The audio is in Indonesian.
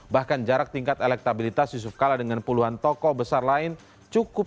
bahkan jarak tingkat elektabilitas yusuf kala dengan puluhan tokoh besar lain cukup